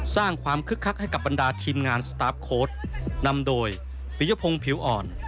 สร้างความคึกคักให้กับบรรดาทีมงานสตาร์ฟโค้ดนำโดยปียพงศ์ผิวอ่อน